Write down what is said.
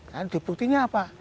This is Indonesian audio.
dan dibuktinya apa